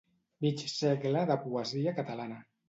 Mig segle de poesia catalana.